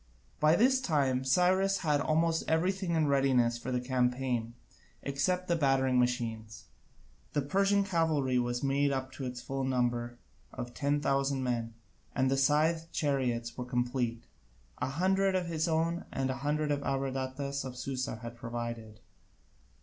By this time Cyrus had almost everything in readiness for the campaign, except the battering machines. The Persian cavalry was made up to its full number of ten thousand men, and the scythed chariots were complete, a hundred of his own, and a hundred that Abradatas of Susa had provided.